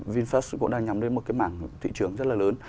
vinfast cũng đang nhắm đến một cái mảng thị trường rất là lớn